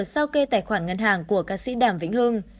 sau kê tài khoản ngân hàng của ca sĩ đàm vĩnh hưng